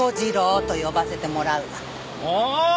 おお！